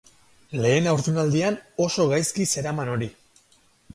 Lehen haurdunaldian oso gaizki zeraman hori.